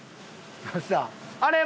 あれ？